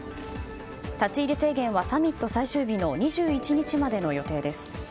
立ち入り制限はサミット最終日の２１日までの予定です。